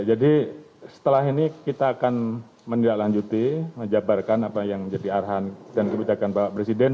setelah ini kita akan menindaklanjuti menjabarkan apa yang menjadi arahan dan kebijakan bapak presiden